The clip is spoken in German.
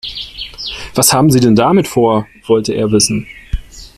"Was haben Sie denn damit vor?", wollte er wissen.